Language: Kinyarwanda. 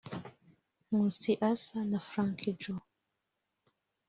Nkusi Arthur na Frankie Joe